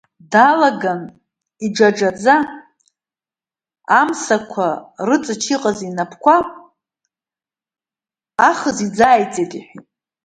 Даалаган, иџьаџьаӡа, амсақәа рыҵач иҟаз инапқәа ахаз иӡааиҵеит, иҳәеит.